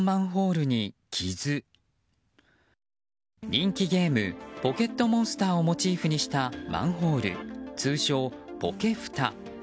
人気ゲーム「ポケットモンスター」をモチーフにしたマンホール、通称ポケふた。